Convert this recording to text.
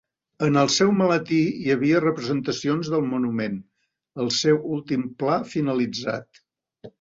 En al seu maletí hi havia representacions del monument, el seu últim pla finalitzat.